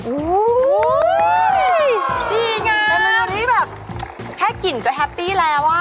โอ้ยดีง่าวเป็นเมนูที่แบบแค่กินก็แฮปปี้แล้วอ่ะ